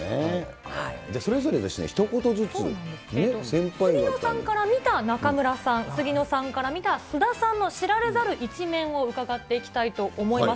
じゃあ、それぞれにひと言ず杉野さんから見た中村さん、杉野さんから見た菅田さんの知られざる一面を伺っていきたいと思います。